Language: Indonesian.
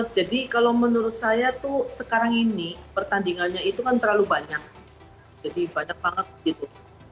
jadi kalau menurut saya tuh sekarang ini pertandingannya itu kan terlalu banyak jadi banyak banget gitu